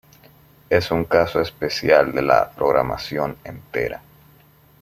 Es un caso especial de la "Programación Entera".